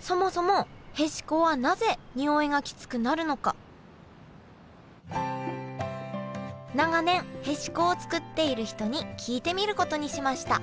そもそもへしこはなぜにおいがきつくなるのか長年へしこを作っている人に聞いてみることにしました。